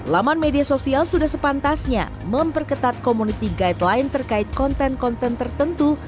laman media sosial sudah sepantasnya memperketat community guideline terkait konten konten tertentu